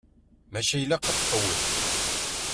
Maca ilaq ad tqewwet.